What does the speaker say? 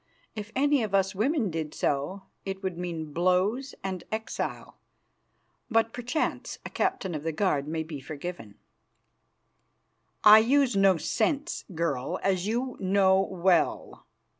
If any of us women did so, it would mean blows and exile; but perchance a captain of the guard may be forgiven." "I use no scents, girl, as you know well.